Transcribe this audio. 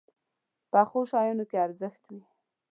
پخو شیانو کې ارزښت وي